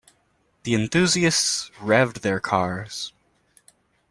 The enthusiasts revved their cars.